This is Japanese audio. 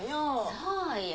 そうよ